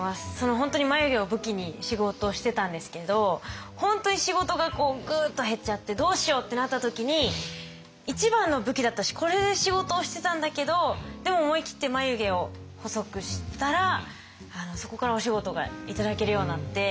本当に眉毛を武器に仕事してたんですけど本当に仕事がグーッと減っちゃってどうしようってなった時に一番の武器だったしこれで仕事をしてたんだけどでも思い切って眉毛を細くしたらそこからお仕事が頂けるようになって。